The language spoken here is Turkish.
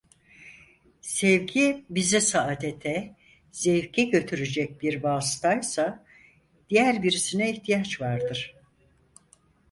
Sevgi bizi saadete, zevke götürecek bir vasıtaysa diğer birisine ihtiyaç vardır.